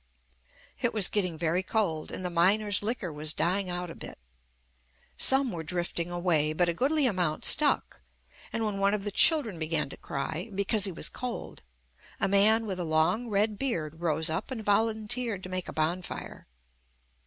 '' It was getting very cold and the miners' liquor was dying out a bit. Sorme were drifting away, but a goodly amount stuck, and when one of the children began to cry, because he was cold, a man with a long red beard rose up and volunteered to make a bon fire.